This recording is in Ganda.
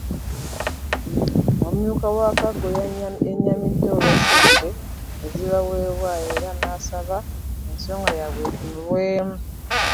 Omumyuka wa Kaggo yennyamidde olwa ssente ezibaweebwa era n’asaba ensonga yaabwe etunulwemu.